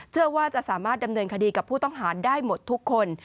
เชื่อว่าจะสามารถดำเนินคดีกับผู้ต้องหาได้หมดทุกคน